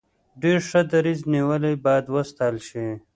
ډیر ښه دریځ نیولی باید وستایل شي.